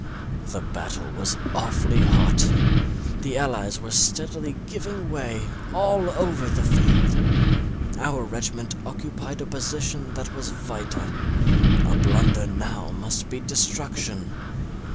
The battle was awfully hot; the allies were steadily giving way all over the field. Our regiment occupied a position that was vital; a blunder now must be destruction.